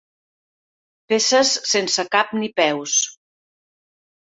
Peces sense cap ni peus.